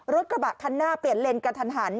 รถกระบะคันหน้าเปลี่ยนเลนกระทันหัน